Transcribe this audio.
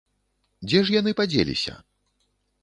Дзе ж яны падзеліся?